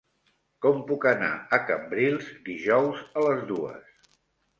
Com puc anar a Cambrils dijous a les dues?